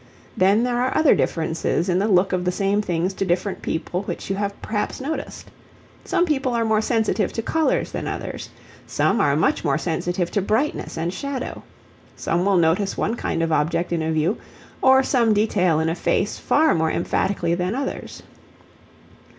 Then there are other differences in the look of the same things to different people which you have perhaps noticed. Some people are more sensitive to colours than others. Some are much more sensitive to brightness and shadow. Some will notice one kind of object in a view, or some detail in a face far more emphatically than others.